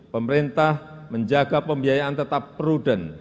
pemerintah menjaga pembiayaan tetap prudent